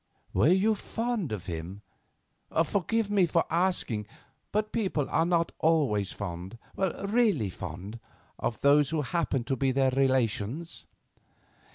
"Were you fond of him? Forgive me for asking, but people are not always fond—really fond—of those who happen to be their relations."